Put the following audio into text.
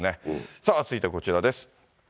さあ、続いてこちらです。